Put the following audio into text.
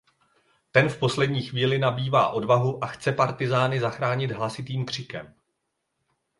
Ten v poslední chvíli nabývá odvahu a chce partyzány zachránit hlasitým křikem.